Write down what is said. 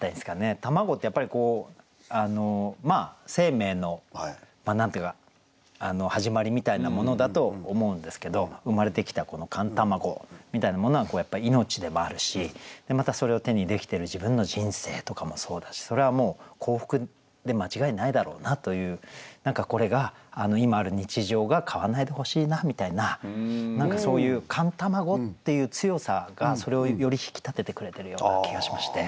卵ってやっぱり生命の何て言うか始まりみたいなものだと思うんですけど生まれてきたこの寒卵みたいなものはやっぱり命でもあるしまたそれを手にできてる自分の人生とかもそうだしそれはもう幸福で間違いないだろうなという何かこれが今ある日常が変わんないでほしいなみたいな何かそういう寒卵っていう強さがそれをより引き立ててくれてるような気がしまして。